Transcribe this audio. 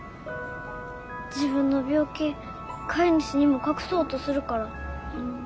自分の病気飼い主にも隠そうとするから。